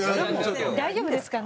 大丈夫ですかね？